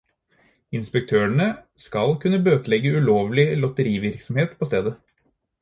Inspektørene skal kunne bøtelegge ulovlig lotterivirksomhet på stedet.